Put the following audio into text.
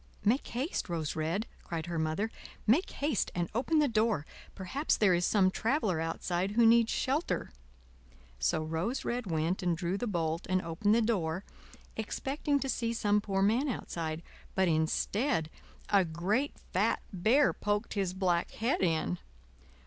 "Make haste, Rose Red," cried her Mother; "make haste and open the door; perhaps there is some traveler outside who needs shelter." So Rose Red went and drew the bolt and opened the door, expecting to see some poor man outside, but instead, a great fat Bear poked his black head in.